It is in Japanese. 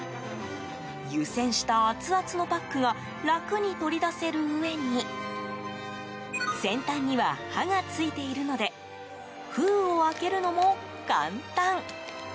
湯煎したアツアツのパックが楽に取り出せるうえに先端には刃がついているので封を開けるのも簡単。